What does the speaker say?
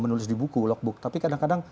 menulis di buku logbook tapi kadang kadang